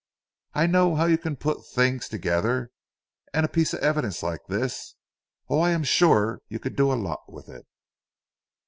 I know how you can put things together, and a piece of evidence like this oh I am sure you could do a lot with it."